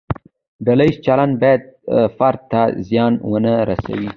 ډله ییز چلند باید فرد ته زیان ونه رسوي.